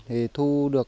thì thu được